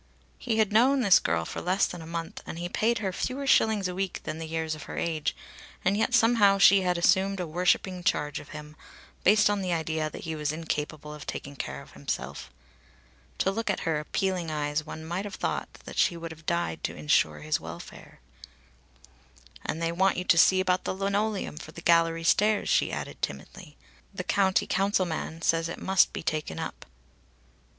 He had known this girl for less than a month and he paid her fewer shillings a week than the years of her age, and yet somehow she had assumed a worshipping charge of him, based on the idea that he was incapable of taking care of himself. To look at her appealing eyes one might have thought that she would have died to insure his welfare. "And they want to see you about the linoleum for the gallery stairs," she added timidly. "The County Council man says it must be taken up."